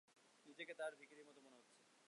নিজেকে তার ভিখিরির মতো মনে হচ্ছে।